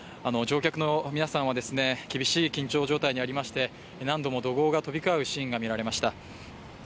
乗客の皆さんは、厳しい緊張状態にありまして何度も怒号が飛び交うシーンが見られました。